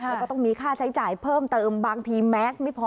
แล้วก็ต้องมีค่าใช้จ่ายเพิ่มเติมบางทีแมสไม่พอ